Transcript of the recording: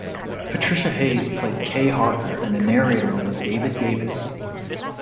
Patricia Hayes played Kay Harker and the narrator was David Davis.